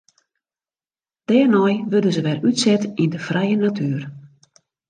Dêrnei wurde se wer útset yn de frije natuer.